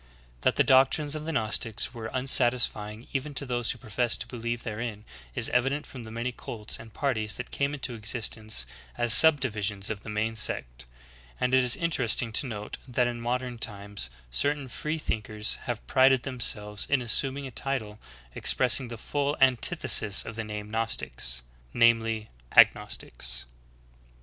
^ 9. That the doctrines of the Gnostics were unsatisfying even to those who professed to believe therein is evident from the many cults and parties that came into existence as subdivisions of the main sect ; and it is interesting to note that in modern times certain free thinkers have prided them selves in assuming a title expressing the full antithesis of the name Gnostics, viz. Agnostics.